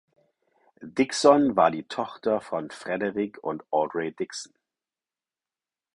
Dixon war die Tochter von Frederick und Audrey Dixon.